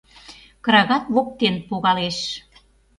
Крагат воктен погалеш;